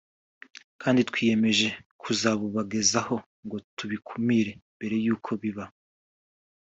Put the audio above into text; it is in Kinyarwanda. kandi twiyemeje kuzabubagezaho ngo tubikumire mbere y’uko biba